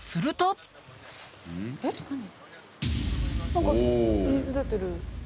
何か水出てる。